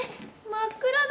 真っ暗だ。